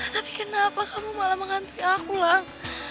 tapi kenapa kamu malah menghantui aku lang